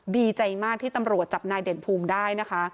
ดีใจมากที่ตำรวจจับนายเด่นภูมิได้นะคะ